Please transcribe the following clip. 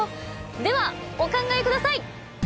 ではお考えください。